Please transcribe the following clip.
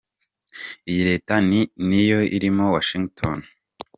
Iyi Leta ni yo irimo Washington D.